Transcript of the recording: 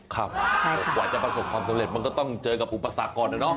กว่าจะประสบความสำเร็จมันก็ต้องเจอกับอุปสรรคก่อนนะเนาะ